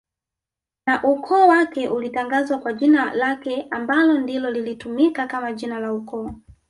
na ukoo wake ulitangazwa kwa jina lake anbalo ndilo lilitumika kama jina la ukoo